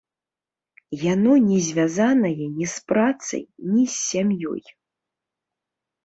Яно не звязанае ні з працай, ні з сям'ёй.